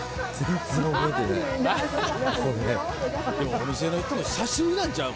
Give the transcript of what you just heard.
お店の人も久しぶりなんちゃう？